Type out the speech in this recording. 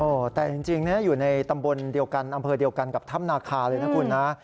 แต่จริงอยู่ในตำบลเดียวกันอำเภอเดียวกันกับถ้ำนาคาเลยนะคุณนะ